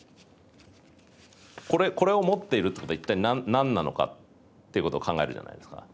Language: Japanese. これを持っているってことは一体何なのかってことを考えるじゃないですか。